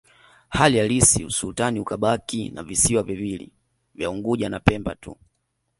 Hali halisi usultani ukabaki na visiwa viwili vya Unguja na Pemba tu